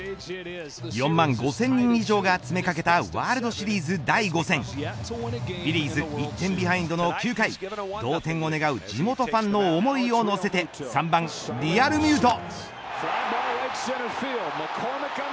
４万５０００人以上が詰め掛けたワールドシリーズ第５戦フィリーズ１点ビハインドの９回同点を願う地元ファンの思いを乗せて３番リアルミュート。